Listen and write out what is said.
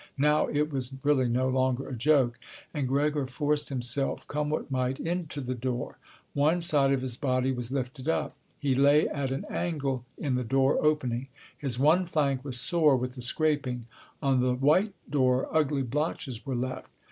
Now it was really no longer a joke, and Gregor forced himself, come what might, into the door. One side of his body was lifted up. He lay at an angle in the door opening. His one flank was sore with the scraping. On the white door ugly blotches were left.